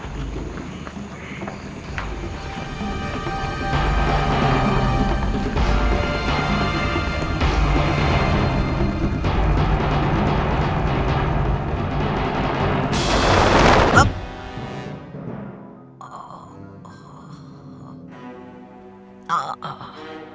siapa kamu kenal